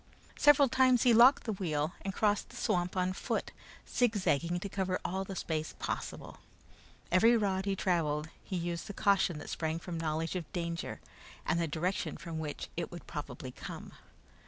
Several times he locked the wheel and crossed the swamp on foot, zigzagging to cover all the space possible. Every rod he traveled he used the caution that sprang from knowledge of danger and the direction from which it probably would come.